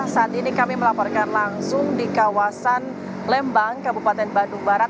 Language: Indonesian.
saat ini kami melaporkan langsung di kawasan lembang kabupaten bandung barat